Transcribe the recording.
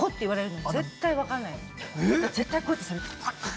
だから絶対こうやってされる。